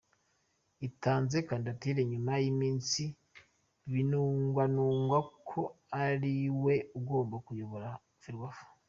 Atanze kandidatire nyuma y’iminsi binugwanugwa ko ariwe ugomba kuyobora Ferwafa.